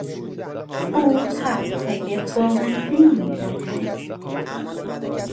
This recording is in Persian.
او حرفهای بامزهای میزند.